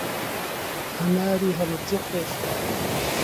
هەناری هەڵەبجە خۆشە.